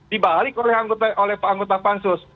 dibalik oleh anggota pansus